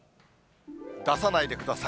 出さないでください。